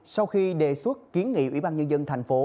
sau khi đề xuất kiến nghị ubnd thành phố